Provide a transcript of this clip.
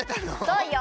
そうよ